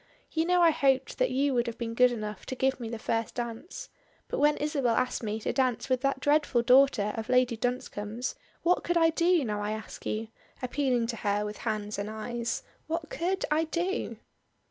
You know I hoped that you would have been good enough to give me the first dance, but when Isabel asked me to dance it with that dreadful daughter of Lady Dunscombe's, what could I do, now I ask you?" appealing to her with hands and eyes. "What could I do?"